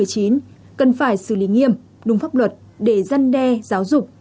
cần phải xử lý nghiêm đúng pháp luật để giăn đe giáo dục